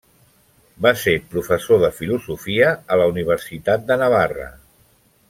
Va ser professor de filosofia a la Universitat de Navarra.